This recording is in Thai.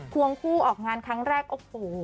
ควงคู่ออกงานครั้งแรกโอ้โห